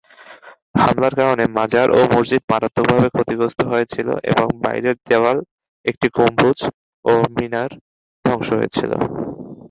হামলার কারণে মাজার ও মসজিদ মারাত্মকভাবে ক্ষতিগ্রস্ত হয়েছিল এবং বাইরের দেওয়াল, একটি গম্বুজ ও মিনার ধ্বংস হয়েছিল।